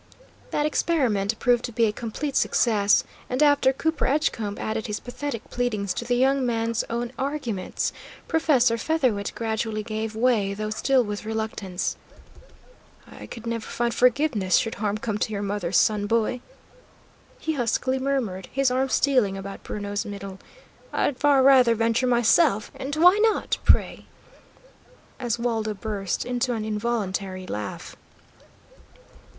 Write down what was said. That experiment proved to be a complete success, and after Cooper Edgecombe added his pathetic pleadings to the young man's own arguments, Professor Featherwit gradually gave way, though still with reluctance. "I could never find forgiveness should harm come to your mother's son, boy," he huskily murmured, his arm stealing about Bruno's middle. "I'd far rather venture myself, and why not, pray?" as Waldo burst into an involuntary laugh.